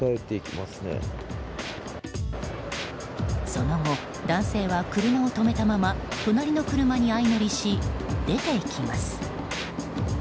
その後、男性は車を止めたまま隣の車に相乗りし、出て行きます。